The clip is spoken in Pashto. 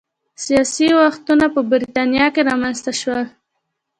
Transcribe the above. سیاسي اوښتونونه په برېټانیا کې رامنځته شول